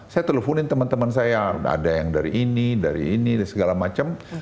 saya teleponin teman teman saya ada yang dari ini dari ini dan segala macam